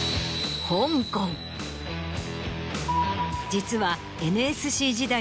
実はＮＳＣ時代